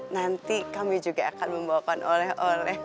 nanti kami juga akan membawakan oleh oleh